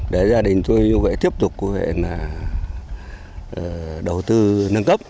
để gia đình tôi như vậy tiếp tục đầu tư nâng cấp